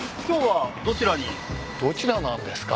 どちらなんですか？